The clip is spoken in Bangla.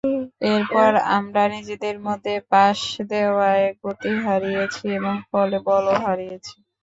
এরপর আমরা নিজেদের মধ্যে পাস দেওয়ায় গতি হারিয়েছি এবং ফলে বলও হারিয়েছি।